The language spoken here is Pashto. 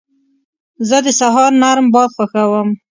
زه د سهار نرم باد خوښوم.